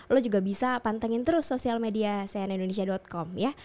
lo juga bisa pantengin terus sosial media cnn indonesia com ya